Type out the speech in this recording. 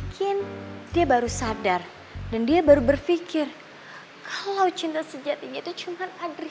kenapa kamu sentuh